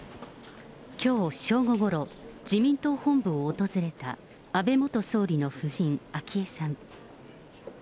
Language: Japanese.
きょう正午ごろ、自民党本部を訪れた、安倍元総理の夫人、昭恵さん。